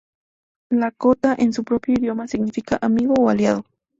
Lakota, en su propio idioma significa "amigo" o "aliado".